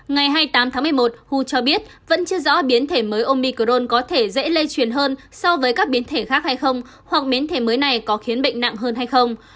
ngày hai mươi tám tháng một mươi một hu cho biết vẫn chưa rõ biến thể mới omicron có thể dễ lây truyền hơn so với các biến thể khác hay không hoặc biến thể mới này có khiến bệnh nặng hơn hay không